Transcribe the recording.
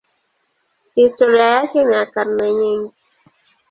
Historia yake ni ya karne nyingi.